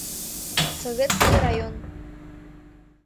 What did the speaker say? Советский район.